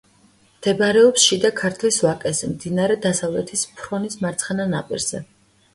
მდებარეობს შიდა ქართლის ვაკეზე, მდინარე დასავლეთის ფრონის მარცხენა ნაპირზე.